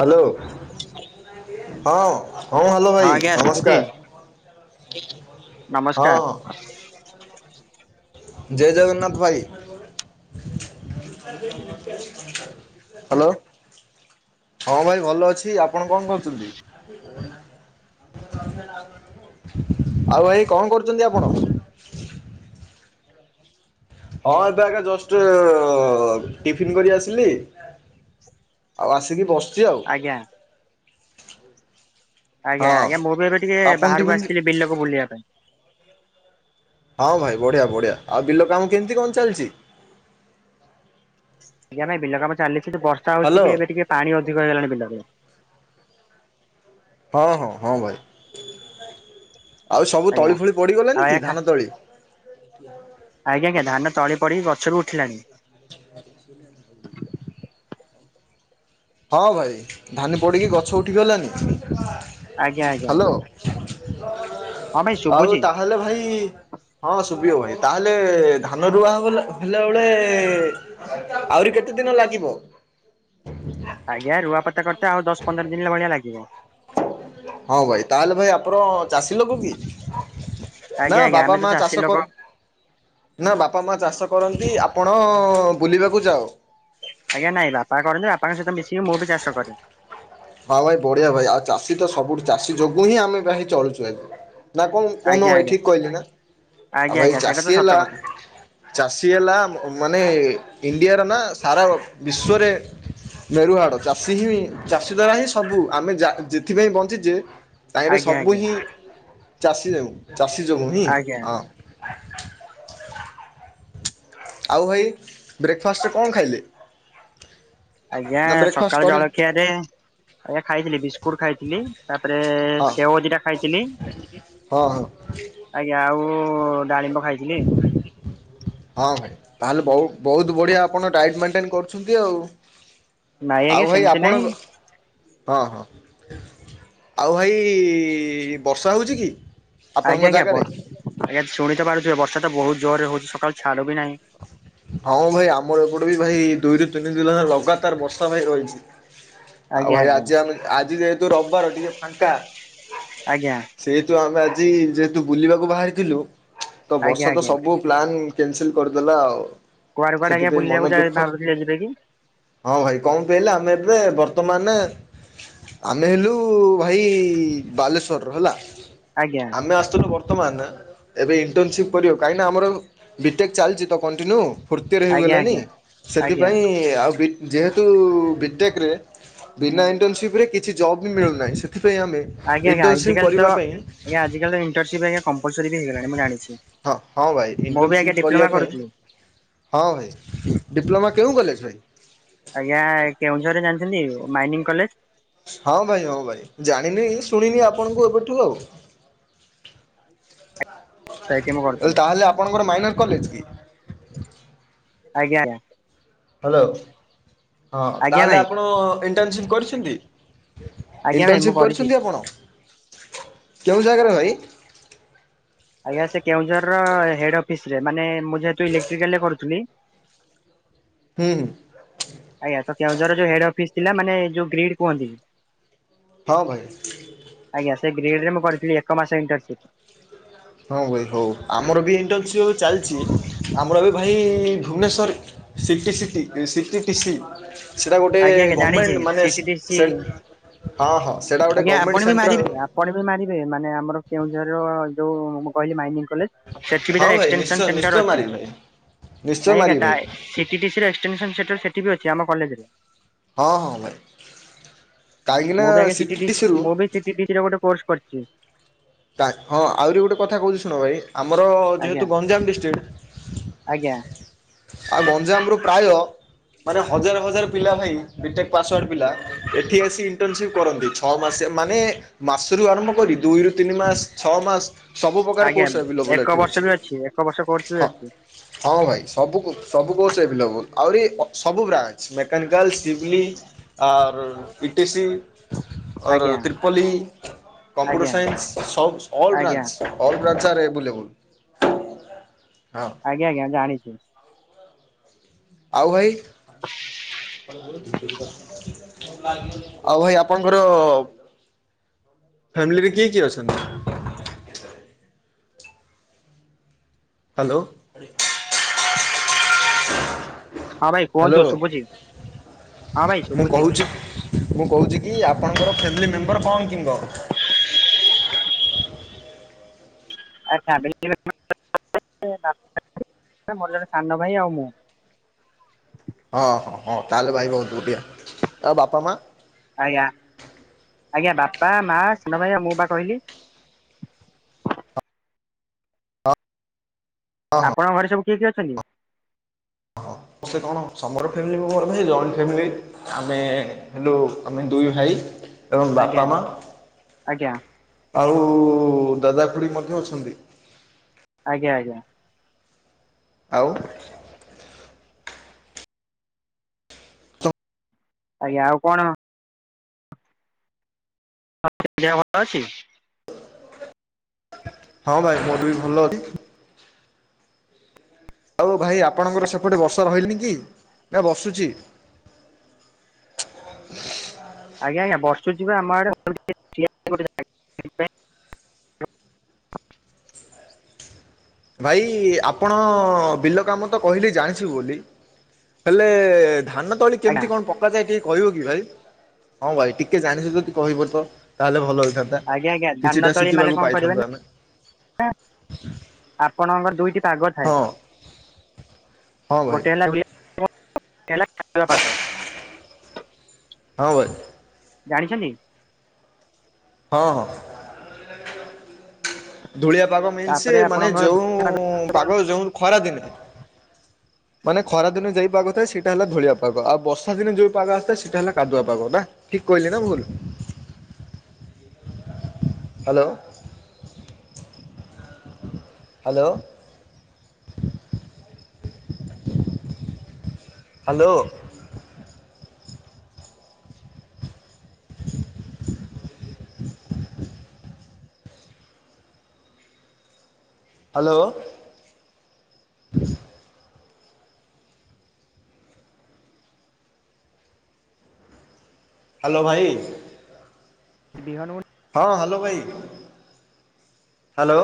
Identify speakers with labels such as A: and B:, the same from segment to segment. A: Hello. ହଁ ହଁ hello ଭାଇ
B: ଆଜ୍ଞା ଶୁଭୁଛି
A: ନମସ୍କାର। ହଁ,
B: ନମସ୍କାର
A: ହଁ। ଜୟ ଜଗନ୍ନାଥ ଭାଇ। ହାଲୋ ହଁ ଭାଇ ଭଲ ଅଛି ଆପଣ କଣ କରୁଛନ୍ତି? ଆଉ ଭାଇ କଣ କରୁଚନ୍ତି ଆପଣ? ହଁ ଏବେ ଆଗ ଜଷ୍ଟ ଟିଫିନ କରି ଆସିଲି। ଆଉ ଆସିକି ବସ
B: ଆଜ୍ଞା। ଆଜ୍ଞା
A: ହଁ
B: ଆଜ୍ଞା ମୁଁ ବି ଏବେ ଟିକେ
A: ଆପଣ
B: ବାହାରକୁ
A: ଟିଫିନ୍
B: ଆସିଥିଲି ବିଲକୁ ବୁଲିବା ପାଇଁ।
A: ହଁ ଭାଇ ବଢ଼ିଆ ବଢ଼ିଆ ଆଉ ବିଲ କାମ କେମିତି କଣ ଚାଲଚି?
B: ଆଜ୍ଞା ଭାଇ ବିଲ କାମ ଚାଲିଛି ତ ବର୍ଷା ହଉଛି
A: ହ୍ୟାଲୋ
B: ଟିକେ ଏବେ ଟିକେ ପାଣି ଅଧିକ ହେଇଗଲାଣି ବିଲରେ।
A: ହଁ ହଁ ହଁ ଭାଇ ଆଉ ସବୁ
B: ଆଜ୍ଞା ଆଉ
A: ତଳି ଫଳି ପଡ଼ିଗଲାନି କି
B: ଆଜ୍ଞା ଖା
A: ଧାନ ତଳି?
B: ଆଜ୍ଞା ଆଜ୍ଞା ଧାନ ତଳି ପଡିି ଗଛ ବି ଉଠିଲାଣି।
A: ହଁ ଭାଇ ଧାନ ପଡ଼ିକି ଗଛ ଉଠି ଗଲାନି।
B: ଆଜ୍ଞା ଆଜ୍ଞା। ହଁ ଭାଇ
A: ଆଉ
B: ଶୁଭୁଛି।
A: ତାହେଲେ ଭାଇ ହଁ ଶୁଭିବ। ତାହେଲେ ଧାନ ରୁଆ ହେଲା ବେଳେ ଆହୁରି କେତେ ଦିନ ଲାଗିବ।
B: ଆଜ୍ଞା ରୁଆ ପତା କରେତ ଆଉ ଦଶ ପନ୍ଦର ଦିନ ଭଳିଆ ଲାଗିବ।
A: ହଁ ଭାଇ ତାହେଲେ ଭାଇ ଆପଣ ଚାଷୀ ଲୋକ କି
B: ଆଜ୍ଞା
A: ନା
B: ଆଜ୍ଞା ଆମେ
A: ବାବା
B: ତ
A: ମା
B: ଚାଷୀ
A: ଚାଷ
B: ଲୋକ।
A: କର ନା ବାପା ମା ଚାଷ କରନ୍ତି ଆପଣ ବୁଲିବାକୁ ଯାଅ।
B: ଆଜ୍ଞା ନାଇଁ ବାପା କରନ୍ତି ବାପାଙ୍କ ସହିତ ମିଶିକି ମୁଁ ବି ଚାଷ କରେ।
A: ହଁ ଭାଇ ବଢିଆ ଭାଇ ଆଉ ଚାଷୀ ତ ସବୁଠୁ ଚାଷୀ ଯୋଗୁ ହିଁ ଆମେ ଭାଇ ଚଳୁଛୁ ଭାଇ। ନା କଣ କହୁନ
B: ଆଜ୍ଞା
A: ଭାଇ
B: ଆଜ୍ଞା
A: ଠିକ କହିଲି ନା ଆଉ
B: ଆଜ୍ଞା
A: ଭାଇ
B: ଆଜ୍ଞା ସେଇଟା ତ
A: ଚାଷୀ
B: ସତ
A: ହେଲା
B: କଥା।
A: ଚାଷୀ ହେଲା ମାନେ ଇଣ୍ଡିଆର ନା ସାରା ବିଶ୍ୱରେ ମେରୁହାଡ ଚାଷୀ ହିଁ ଚାଷୀ ଦ୍ଵାରା ହିଁ ସବୁ ଆମେ ଯେଥିପାଇଁ ବଞ୍ଚି ଚେ ତାହିରେ
B: ଆଜ୍ଞା
A: ସବୁ
B: ଆଜ୍ଞା
A: ହିଁ ଚାଷୀ ଯୋଗୁ ଚାଷୀ ଯୋଗୁ ହିଁ
B: ଆଜ୍ଞା
A: ହଁ। ଆଉ ଭାଇ ବ୍ରେକ୍ଫାଷ୍ଟରେ କଣ ଖାଇଲେ?
B: ଆଜ୍ଞା
A: ନା ବ୍ରେକ୍ଫାଷ୍ଟ
B: ସକାଳ
A: କରି
B: ଜଳଖିଆ ରେ ଆଜ୍ଞା ଖାଇଥିଲି ବିସ୍କୁଟ ଖାଇଥିଲି। ତାପରେ
A: ହଁ
B: ସେଓ ଦିଟା ଖାଇଥିଲି।
A: ହଁ ହଁ
B: ଆଜ୍ଞା ଆଉ ଡାଳିମ୍ବ ଖାଇ କିଏ?
A: ହଁ ଭାଇ ତାହେଲେ ବହୁ ବହୁତ ବଢିଆ ଆପଣ ଡାଇଟ୍ ମେଣ୍ଟେନ କରୁଛନ୍ତି ଆଉ।
B: ନାଇଁ ଆଜ୍ଞା
A: ଆଉ ଭାଇ
B: ସେମିତି
A: ଆପଣ
B: ନାଇଁ
A: ହଁ ହଁ ଆଉ ଭାଇ ବର୍ଷା ହଉଚି କି? ଆପଣଙ୍କ
B: ଆଜ୍ଞା ଆଜ୍ଞା
A: ଜାଗାରେ?
B: ଆଜ୍ଞା ଶୁଣି ତ ପାରୁଥିବେ ବର୍ଷା ତ ବହୁତ ଜୋରରେ ହଉଛି ସକାଳୁ ଛାଡୁ ବି ନାହିଁ।
A: ହଁ ଭାଇ ଆମର ଏପଟେ ବି ଭାଇ ଦୁଇରୁ ତିନି ଦିନ ହେଲା ଲଗାତାର ବର୍ଷା ଭାଇ ରହିଛି। ଆଉ
B: ଆଜ୍ଞା
A: ଭାଇ
B: ଆଜ୍ଞା
A: ଆଜି ଆମେ ଆଜି ଯେହେତୁ ରବିବାର ଟିକେ ଫାଙ୍କା
B: ଆଜ୍ଞା।
A: ସେହେତୁ ଆମେ ଆଜି ଯେହେତୁ ବୁଲିବାକୁ ବାହାରିଥିଲୁ ତ
B: ଆଜ୍ଞା
A: ବର୍ଷା ତ
B: ଆଜ୍ଞା
A: ସବୁ ପ୍ଲାନ୍ କ୍ୟାନସେଲ କରିଦେଲା ଆଉ।
B: କୁଆଡେ କୁଆଡେ ଆଜ୍ଞା
A: ସେଥିପାଇଁ ମନ
B: ବୁଲିବାକୁ ଯା
A: ଦୁଃଖ।
B: ଭାବିଥିଲେ ଜିବେକି?
A: ହଁ ଭାଇ କଣ ପାଇଲେ ଆମେ ଏବେ ବର୍ତ୍ତମାନେ ଆମେ ହେଲୁ ଭାଇ ବାଲେଶ୍ଵର ର ହେଲା।
B: ଆଜ୍ଞା।
A: ଆମେ ଆସିଥିଲୁ ବର୍ତ୍ତମାନ ଏବେ ଇଣ୍ଟରନସିପ କରିବାକୁ କାହିଁକି ନା ଆମର ବିଟେକ୍ ଚାଲିଛି ତ କଣ୍ଟିନ୍ୟୁ ଫୋର୍ଥ ଇଅର
B: ଆଜ୍ଞା
A: ହେଇଗଲାନି
B: ଆଜ୍ଞା ଆଜ୍ଞା
A: ସେଥିପାଇଁ ଆଉ ଯେହେତୁ ବିଟେକେରେ ବିନା ଇଣ୍ଟର୍ନସିପ୍ ରେ କିଛି ଜବ୍ ବି ମିଳୁନାହିଁ ସେଥିପାଇଁ ଆମେ
B: ଆଜ୍ଞା ଆଜ୍ଞା
A: ଇଣ୍ଟର୍ନସିପ୍
B: ଆଜିକାଲି ତ
A: କରିବା ପାଇଁ
B: ଆଜି କାଲି ଇଣ୍ଟରସିପ ଆଜ୍ଞା କମ୍ପଲସରୀ ବି ହେଇଗଲାଣି ମୁଁ ଜାଣିଛି।
A: ହଁ ଭାଇ
B: ମୁଁ ବି ଆଜ୍ଞା
A: ଇଣ୍ଟର୍ନସିପ୍ କରିବା
B: ଡିପ୍ଲୋମା
A: ପାଇଁ
B: କରୁଥିଲି।
A: ହଁ ଭାଇ ଡିପ୍ଲୋମା କେଉଁ କଲେଜ ରେ?
B: ଆଜ୍ଞା ଏ କେଉଁଝରରେ ଜାଣିଚନ୍ତି ମାଇନିଂ କଲେଜ।
A: ହଁ ଭାଇ ହଁ ଭାଇ ଜାଣିନି ଶୁଣିନି ଆପଣଙ୍କୁ ଏବେଠୁ ଆଉ।
B: ସେଇଠି ମୁଁ କରୁଥିଲି
A: କହିଲି ତାହେଲେ ଆପଣଙ୍କର ମାଇନର କଲେଜ କି?
B: ଆଜ୍ଞା।
A: ହ୍ୟାଲୋ ହଁ
B: ଆଜ୍ଞା
A: ତାହେଲେ
B: ଭାଇ
A: ଆପଣ ଇଣ୍ଟର୍ନସିପ୍ କରିଛନ୍ତି?
B: ଆଜ୍ଞା ଭାଇ ମୁଁ
A: ଇଣ୍ଟର୍ନସିପ୍
B: କରିଛି।
A: କରିଛନ୍ତି ଆପଣ କେଉଁ ଜାଗାରେ ଭାଇ।
B: ଆଜ୍ଞା ସେ କେଉଁଝର ର ହେଡ୍ ଅଫିସ ରେ ମାନେ ମୁଁ ଯେହେତୁ ଇଲେକ୍ଟ୍ରିକାଲ ରେ କରୁଥିଲି
A: ହୁଁ।
B: ଆଜ୍ଞା ତ କେଉଁଝରରେ ଯୋଉ ହେଡ୍ ଅଫିସ୍ ଥିଲା ମାନେ ଯୋଉ ଗ୍ରୀଡ୍ କୁହନ୍ତି।
A: ହଁ ଭାଇ।
B: ଆଜ୍ଞା ସେ ଗ୍ରେଡ୍ ରେ ମୁ କରିଥିଲେ ଏକ ମାସ ଇଣ୍ଟରସିପ୍।
A: ହଁ ଭାଇ ହଉ ଆମର ବି ଇଣ୍ଟରସିପ୍ ଚାଲିଚି ଆମର ବି ଭାଇ ଭୁବନେଶ୍ୱର ସିଟିସିିଟି ସିଟିଟିସିି। ସେଇଟା ଗୋଟେ
B: ଆଜ୍ଞା ଆଜ୍ଞା ଜାଣିଛି
A: ଗମେଣ୍ଟ ମାନେ ସେ
B: ସିଟିଡିସି
A: ସେ ହଁ ହଁ ସେଇଟା ଗୋଟେ ଗମେଣ୍ଟ ସେଣ୍ଟ୍ରାଲ
B: ପଢ଼ିବେ ମାରିବେ ମାନେ ଆମର କେଉଁଝରର ଯୋଉ ମୁଁ କହିଲି ମାଇନିଂ କଲେଜ୍ ସେଠିବି
A: ହଁ
B: ତାର
A: ଭାଇ ନିଶ୍ଚୟ
B: ଏକ୍ସଷ୍ଟେନସନ
A: ନିଶ୍ଚୟ
B: ସେଣ୍ଟର ଅଛି
A: ମାରିବି ଭାଇ ନିଶ୍ଚୟ
B: ନାଇଁ ଆଜ୍ଞା
A: ମାରିବି
B: ତା
A: ଭାଇ
B: ସିଟିଟିସିରେ ଏକ୍ସଷ୍ଟେନସନ ସେଣ୍ଟର ସେଠି ବି ଅଛି ଆମ କଲେଜେରେ।
A: ହଁ ହଁ ଭାଇ। କାହିଁକିନା
B: ମୁଁ ବି ଆଜ୍ଞା ସିଟିଟିସି
A: ସିଟିଟିସିରୁ
B: ମୁଁ ବିି ସିଟିଟିସିରେ ଗୋଟେ କୋର୍ସ କରିଚି।
A: ତା ହଁ ଆହୁରି ଗୋଟେ କଥା କହୁିଚି ଶୁଣ ଭାଇ। ଆମର
B: ଆଜ୍ଞା
A: ଯେହେତୁ ଗଞ୍ଜାମ ଡିଷ୍ଟ୍ରିଡି।
B: ଆଜ୍ଞା
A: ଆଉ ଗଞ୍ଜାମରୁ ପ୍ରାୟ ମାନେ ହଜାର ହଜାର ପିଲା ଭାଇ ବି ଟେକ୍ ପାସୱାର୍ଡ଼ ପିଲା। ଏଠିକି ଆସି ଇଣ୍ଟରସିପ୍ କରନ୍ତି ଛଅ ମାସେ ମାନେ ମାସ ରୁ ଆରମ୍ଭ କରି ଦୁଇରୁ ତିନି ମାସେ ଛଅ ମାସେ ସବୁ ପ୍ରକାର
B: ଆଜ୍ଞା
A: କୋର୍ସ ଏଭେଲେବୁଲ୍
B: ଏକ
A: ଏଠି
B: ବର୍ଷ ବି ଏକ ବର୍ଷ କୋର୍ସ
A: ଅଛି
B: ବି
A: ହଁ।
B: ଅଛି
A: ହଁ ଭାଇ ସବୁ କୋ ସବୁ କୋର୍ସ ଏଭେଲେବୁଲ୍ ଆହୁରି ଅ ସବୁ branch. Mechanical ସିଭିଲି or E T C or
B: ଆଜ୍ଞା।
A: ତ୍ରିପଲି, କମ୍ପ୍ୟୁଟର
B: ଆଜ୍ଞା
A: ସାଇନ୍ସ ସ ଅଲ୍
B: ଆଜ୍ଞା
A: ବ୍ରାଞ୍ଚ। ଅଲ୍ ବ୍ରାଞ୍ଚ ଆର ଏଭେଲେବୁଲ୍ ହଁ।
B: ଆଜ୍ଞା ଆଜ୍ଞା ଜାଣିଚି।
A: ଆଉ ଭାଇ। ଆଉ ଭାଇ ଆପଣଙ୍କର ଫ୍ୟାମିଲିରେ କିଏ କିଏ ଅଛନ୍ତି? ହାଲୋ।
B: ହଁ ଭାଇ କୁହନ୍ତୁ ଶୁଭୁଚି ହଁ ଭାଇ
A: ମୁଁ
B: ଶୁଭୁଚି।
A: କହୁଛି ମୁଁ କହୁଚିକି ଆପଣଙ୍କର ଫ୍ୟାମିଲି ମେମ୍ବର କଣ କିମ୍ବ?
B: ଆ [unintelligible] ମୋର ଜଣେ ସାନ ଭାଇ ଆଉ ମୁଁ।
A: ହଁ ହଁ ହଁ ତାହେଲେ ଭାଇ ବହୁତ୍ ବଢିଆ ଆଉ ବାପା ମା?
B: ଆଜ୍ଞା ଆଜ୍ଞା ବାପା, ମା, ସାନ ଭାଇ ଆଉ ମୁଁ ପା କହିଲି। ଆପଣଙ୍କ ଘରେ ସବୁ କିଏ କିଏ ଅଛନ୍ତି?
A: ହଁ ମୋତେ କଣ ସମର ଫ୍ୟାମିଲି [unintelligible] ଭାଇ ଜଏଣ୍ଟ ଫ୍ୟାମିଲି ଆମେ ହେଲୁ ଆମେ ଦୁଇ ଭାଇ ଏବଂ
B: ଆଜ୍ଞା
A: ବାପା,
B: ଆଜ୍ଞା
A: ମା ଆଉ ଦାଦା, ଖୁ଼ଡି ମଧ୍ୟ ଅଛନ୍ତି।
B: ଆଜ୍ଞା ଆଜ୍ଞା।
A: ଆଉ।
B: ଆଜ୍ଞା ଆଉ କଣ ଦିହ ଭଲ ଅଛି?
A: ହଁ ଭାଇ ମୋର ବି ଭଲ ଅଛି। ଆଉ ଭାଇ ଆପଣଙ୍କର ସେପଟେ ବର୍ଷା ରହିଲାନି କି ନା ବର୍ଷୁଚି?
B: ଆଜ୍ଞା ଆଜ୍ଞା ବର୍ଷୁଚି ପା ଆମ ଆଡେ [unintelligible] ଠିଆ ହେଇଚୁ ଗୋଟେ ଜାଗାରେ।
A: ଭାଇ ଆପଣ ବିଲ କାମ ତ କଇଲି ଜାଣିଛୁ ବୋଲି। ହେଲେ ଧାନ ତଳି
B: ଆଜ୍ଞା
A: କେମିତି କଣ ପ ଥିବା ଯାଏଁ କେହି କହିବ କି ଭାଇ ହଁ ଭାଇ ଟିକେ ଜାଣିଚ ଯଦି କହିବ ତ ତାହେଲେ ଭଲ ହେଇଥା
B: ଆଜ୍ଞା ଆଜ୍ଞା ଧାନ ତଳି ମାନେ କଣ କରିବେ ନା
A: ଆମେ
B: ନା ଆପଣଙ୍କ ଘରେ ଦୁଇଟି ପାଗ ଥାଏ
A: ହଁ ହଁ ଭାଇ
B: ଗୋଟେ ହେଲା [inaudible] [unintelligible]
A: ହଁ ଭାଇ।
B: ଜାଣିଛନ୍ତି?
A: ହଁ ହଁ। ଧୂଳିଆ ପାଗ ମିନ୍ସ
B: ତାପରେ
A: ମାନେ
B: ଆପଣଙ୍କର
A: ଯୋଉଁ ପାଗ ଯୋଉଁ ଖରା ଦିନେ। ମାନେ ଖରା ଦିନ ଯେଇ ପାଗ ଥାଏ ସେଇଟା ହେଲା ଧୂଳିଆ ପାଗ ଆଉ ବର୍ଷା ଦିନେ ଯୋଉ ପାଗ ଆସିଥାଏ ସେଇଟା ହେଲା କାଦୁଆ ପାଗ ନା। ଠିକ୍ କହିଲି ନା ଭୁଲ? Hello. Hello hello. Hello. Hello ଭାଇ।
B: ବିହନ ବୁଣ୍
A: ହଁ ହାଲୋ ଭାଇ, ହାଲୋ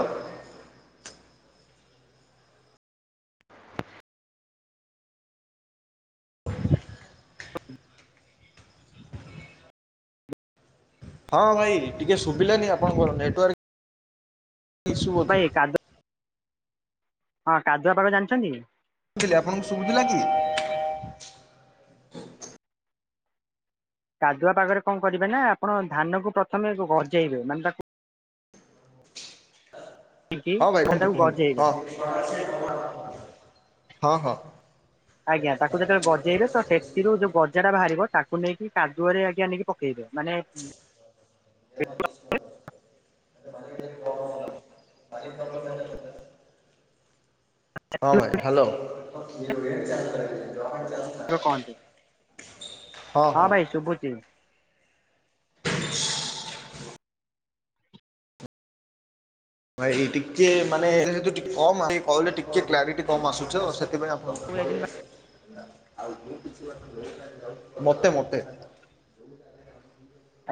A: ହଁ ଭାଇ ଟିକେ ସୁୁବିଲାନି ଆପଣଙ୍କର ନେଟୱାର୍କ ଇସୁ ବୋଧେ?
B: କାଦୁଆ ହଁ କାଦୁଆ ପାଗ ଜାଣିଚନ୍ତି କି?
A: ଥିଲି ଆପଣଙ୍କୁ ଶୁବୁଥିଲା କି?
B: କାଦୁଆ ପାଗରେ କଣ କରିବେ ନା ଆପଣ ଧାନକୁ ପ୍ରଥମେ ଗ-ଗଜେଇବେ ମାନେ ତାକୁ ନେଇକି
A: ହଁ ଭାଇ କୁହନ୍ତୁ
B: ତାକୁ
A: କୁହନ୍ତୁ
B: ଗଜେଇବେ
A: ହଁ ହଁ ହଁ।
B: ଆଜ୍ଞା ତାକୁ ଯେତେବେଳେ ଗଜେଇବେ ତ ସେଥିରୁ ଯୋଉ ଗଜାଟା ବାହାରିବ ତାକୁ ନେଇକି କାଦୁଅରେ ଆଜ୍ଞା ନେଇକି ପ କେଇବେ ମାନେ
A: [inaudible] [unintelligible] ହଁ ଭାଇ ହାଲୋ
B: [inaudible] କହନ୍ତି ହଁ ଭାଇ ଶୁବୁଚି।
A: [unintelligible] ଭାଇ ଟିକେ ମାନେ ଯେହେତୁ ଟିକେ କମ [inaudible] କହିଲେ ଟିକେ କ୍ଲାରିଟି କମ ଆସୁଚି ତ ସେଥିପାଇଁ ଆ ମତେ ମତେ।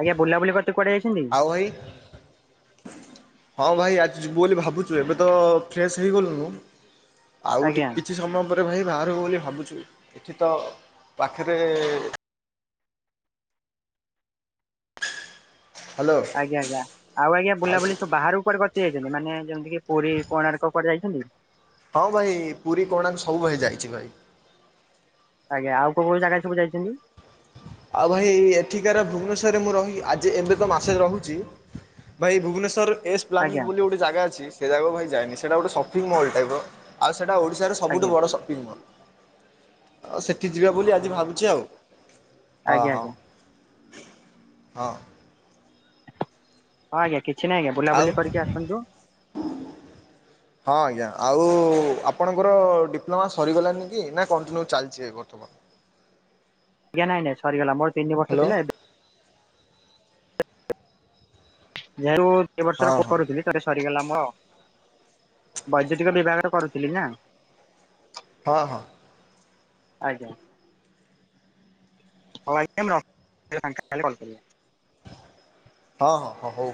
B: ଆଜ୍ଞା ବୁଲାବୁଲି କରିତେ କୁଆଡ଼େ ଯାଇସିନ୍ତି?
A: ଓ ଭାଇ ହଁ ଭାଇ ଆଜି ଯିବୁ ବୋଲି ଭାବୁଚୁ ଏବେ ତ ଫ୍ରେସ୍ ହେଇଗଲୁନୁ। ଆଉ
B: ଆଜ୍ଞା
A: ଟିକେ କିଛି ସମୟ ପରେ ଭାଇ ବାହାରିବୁ ବୋଲି ଭାବୁଛୁ। ଏଠି ତ ପାଖେରେ ହ୍ୟାଲୋ
B: ଆଜ୍ଞା ଆଜ୍ଞା ଆଉ ଆଜ୍ଞା ବୁଲାବୁଲି ସବୁ ବାହାରକୁ କୁଆଡ଼େ କ ଠିକି ଯାଇଛନ୍ତି ମାନେ ଯେମିତି କି ପୁରୀ କୋଣାର୍କ କୁଆଡ଼େ ଯାଇଛନ୍ତି?
A: ହଁ ଭାଇ ପୁରୀ କୋଣାର୍କ ସବୁଭାଇ ଭାଇ ଯାଇଚି ଭାଇ।
B: ଆଜ୍ଞା ଆଉ କୋଉ କୋଉ ଜାଗା ସବୁ ଯାଇଚନ୍ତି?
A: ଆଉ ଭାଇ ଏଠିକାର ଭୁବନେଶ୍ୱରରେ ମୁଁ ରହି ଆଜି ଏବେ ତ ମାସେ ରହୁଚି। ଭାଇ ଭୁବନେଶ୍ୱର ଏସ୍ ପ୍ଲାନିଂ
B: ଆଜ୍ଞା
A: ବୋଲି ଗୋଟେ ଜାଗା ଅଛି ସେ ଜାଗାକୁ ଭାଇ ଯାଇନି ସେଇଟା ଗୋଟେ ସପିଂ ମଲ୍ ଟାଇପ୍ ର ଆଉ ସେଟା ଓଡ଼ିଶାର ସ ସବୁଠୁ
B: ଆଜ୍ଞା
A: ବଡ଼ ସପିଙ୍ଗ୍ ମଲ୍ ଆଉ ସେଠି ଯିବା ବୋଲି ଆଜି ଭାବୁଚି ଆଉ।
B: ଆଜ୍ଞା
A: ଅ
B: ଆଜ୍ଞା
A: -ହୋ -ହଁ।
B: ହଁ ଆଜ୍ଞା କିଛି ନାହିଁ ଆଜ୍ଞା
A: ଆଉ
B: ବୁଲାବୁଲି କରିକି ଆସନ୍ତୁ
A: ହଁ ଆଜ୍ଞା ଆଉ ଆପଣଙ୍କର ଡିପ୍ଲୋମା ସରିଗଲାନି କି ନା କଣ୍ଟିନ୍ୟୁ ଚାଲିଚି ବର୍ତ୍ତମାନ୍?
B: ଆଜ୍ଞା ନାଇଁ ନାଇଁ ସରିଗଲା ମୋର ତିନିବର୍ଷ
A: ହ୍ୟାଲୋ
B: ଥିଲା ଏବେ
A: ହଁ ହଁ
B: [unintelligible] ରେ ସରିଗଲା ମର ବୈଦ୍ୟୁତିକ ବିଭାଗରେ କରୁଥିଲି ନା।
A: ହଁ ହଁ।
B: ଆଜ୍ଞା। ହଉ ଆଜ୍ଞା ମୁଁ ରଖୁଚି ଫାଙ୍କା ହେଲେ କଲ୍ କରିବେ।
A: ହଁ- ହଁ- ହଁ ହଉ।